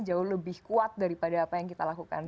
jauh lebih kuat daripada apa yang kita lakukan